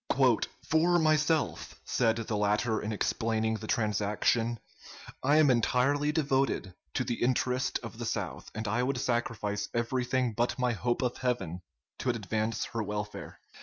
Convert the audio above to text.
"'For myself,' said the latter in explaining the transaction, 'I am entirely devoted to the interest of the South, and I would sacrifice everything but my hope of heaven to advance her welfare.'